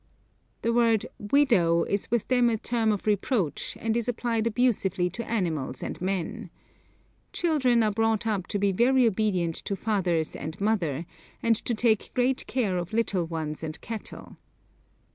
The word 'widow' is with them a term of reproach, and is applied abusively to animals and men. Children are brought up to be very obedient to fathers and mother, and to take great care of little ones and cattle.